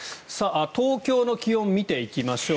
東京の気温、見ていきましょう。